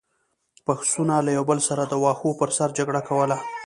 پسونو له یو بل سره د واښو پر سر جګړه کوله.